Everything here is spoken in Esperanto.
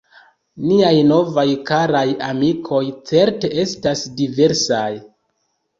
Niaj novaj karaj amikoj certe estas diversaj.